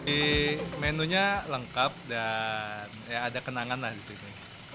ini menunya lengkap dan ya ada kenangan lah di sini